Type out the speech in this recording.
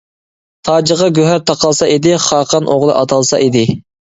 «تاجىغا گۆھەر تاقالسا» ئىدى، «خاقان ئوغلى» ئاتالسا ئىدى.